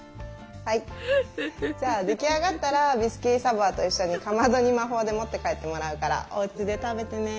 はいじゃあ出来上がったらビスキュイ・ド・サヴォワと一緒にかまどに魔法で持って帰ってもらうからおうちで食べてね。